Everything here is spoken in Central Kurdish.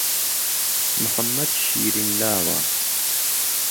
محەممەد شیرن لاوه